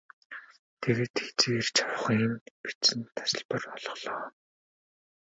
Тэгээд хэзээ ирж авахы нь бичсэн тасалбар олголоо.